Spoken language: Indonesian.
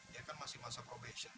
dia kan masih masa probation